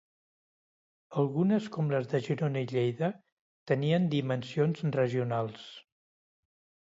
Algunes, com les de Girona i Lleida, tenien dimensions regionals.